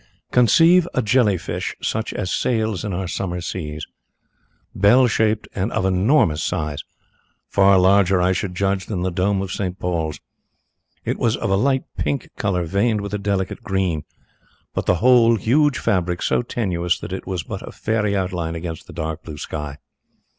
"Conceive a jelly fish such as sails in our summer seas, bell shaped and of enormous size far larger, I should judge, than the dome of St. Paul's. It was of a light pink colour veined with a delicate green, but the whole huge fabric so tenuous that it was but a fairy outline against the dark blue sky.